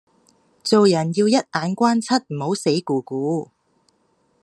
做人要一眼關七唔好死咕咕